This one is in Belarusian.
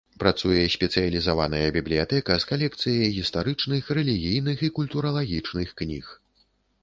Працуе спецыялізаваная бібліятэка з калекцыяй гістарычных, рэлігійных і культуралагічных кніг.